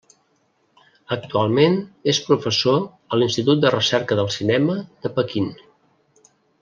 Actualment és professor a l'Institut de Recerca del Cinema de Pequín.